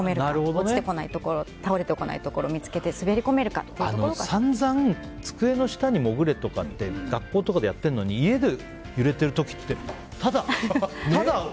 落ちてこないところ倒れてこないところを見つけてさんざん机の下に潜れって学校とかでやってるのに家で揺れてる時って、ただ。